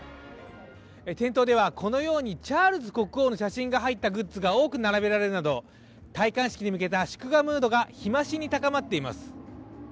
店頭ではこのようにチャールズ国王の写真が入ったグッズが多く並べられるなど戴冠式に向けた祝賀ムードが日増しに高まっています。